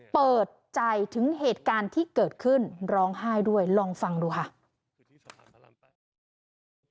เปิดใจถึงเหตุการณ์ที่เกิดขึ้นร้องไห้ด้วยลองฟังดูค่ะ